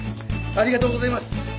ありがとうございます！